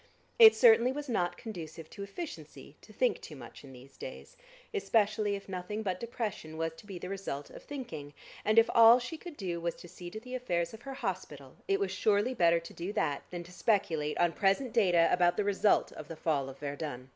It certainly was not conducive to efficiency to think too much in these days, especially if nothing but depression was to be the result of thinking; and if all she could do was to see to the affairs of her hospital, it was surely better to do that than to speculate on present data about the result of the fall of Verdun.